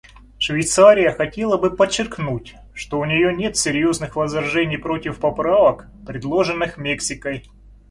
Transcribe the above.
Швейцария хотела бы подчеркнуть, что у нее нет серьезных возражений против поправок, предложенных Мексикой.